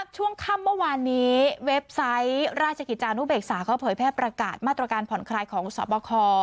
ช่วงค่ำเมื่อวานนี้เว็บไซต์ราชกิจจานุเบกษาเขาเผยแพร่ประกาศมาตรการผ่อนคลายของสอบคอ